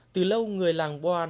từ lâu uống rượu